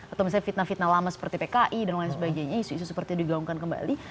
atau misalnya fitnah fitnah lama seperti pki dan lain sebagainya isu isu seperti itu digaungkan kembali